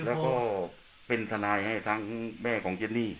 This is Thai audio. แล้วก็เป็นทนายให้ทั้งแม่ของเจนี่